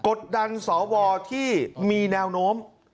กดดันสวที่มีแนวโน้ม